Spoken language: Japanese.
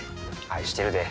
愛してるで。